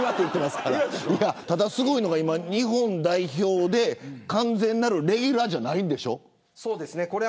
すごいのが日本代表で完全なるレギュラーじゃないんでしょ。